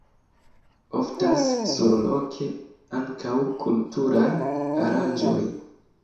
Oftas surloke ankaŭ kulturaj aranĝoj.